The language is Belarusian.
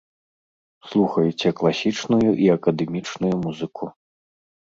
Слухайце класічную і акадэмічную музыку.